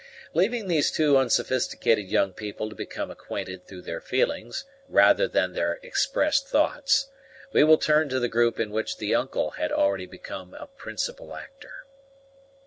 Leaving these two unsophisticated young people to become acquainted through their feelings, rather than their expressed thoughts, we will turn to the group in which the uncle had already become a principal actor.